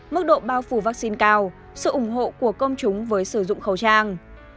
mức độ bao phủ vaccine cao sự ủng hộ của công chúng với sử dụng khẩu trang